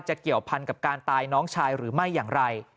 เกี่ยวพันกับการตายน้องชายหรือไม่อย่างไร